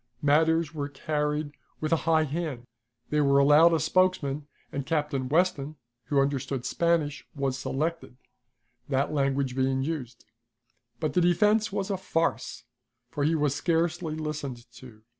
Matters were carried with a high hand. They were allowed a spokesman, and Captain Weston, who understood Spanish, was selected, that language being used. But the defense was a farce, for he was scarcely listened to.